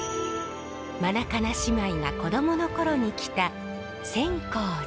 マナカナ姉妹が子どもの頃に来た全興寺。